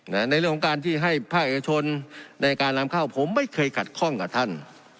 ในเรื่องของการที่ให้ภาคเอกชนในการนำเข้าผมไม่เคยขัดข้องกับท่าน